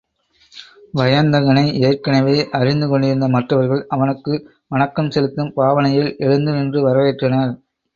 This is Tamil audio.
வயந்தகனை ஏற்கெனவே அறிந்து கொண்டிருந்த மற்றவர்கள், அவனுக்கு வணக்கம் செலுத்தும் பாவனையில் எழுந்து நின்று வரவேற்றனர்.